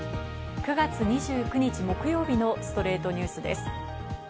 ９月２９日、木曜日の『ストレイトニュース』です。